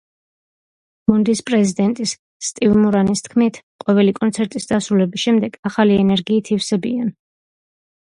გუნდის პრეზიდენტის, სტივ მურანის თქმით, ყოველი კონცერტის დასრულების შემდეგ ახალი ენერგიით ივსებიან.